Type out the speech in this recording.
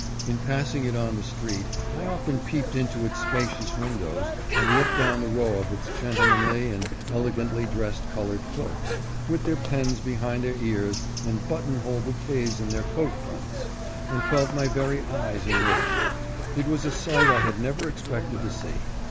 In pass ing it on the street I often peeped into its spacious, windows, and looked down the row of its gentlemanly and elegantly dressed colored clerks, with their pens behind their ears and button hole bouquets in their coat fronts, and felt my very eyes enriched. It was a sight I had never expected to see.